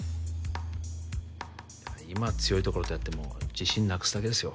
今強いところとやっても自信なくすだけですよ